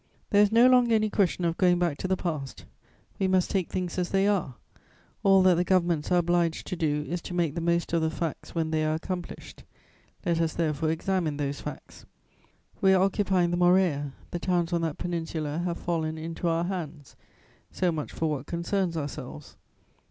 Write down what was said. "There is no longer any question of going back to the past, we must take things as they are. All that the governments are obliged to do is to make the most of the facts when they are accomplished. Let us therefore examine those facts. "We are occupying the Morea, the towns on that peninsula have fallen into our hands. So much for what concerns ourselves.